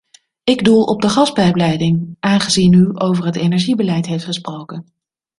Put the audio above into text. Ik doel op de gaspijpleiding, aangezien u over het energiebeleid heeft gesproken.